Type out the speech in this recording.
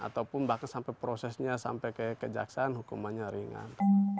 ataupun bahkan sampai prosesnya sampai ke kejaksaan hukumannya ringan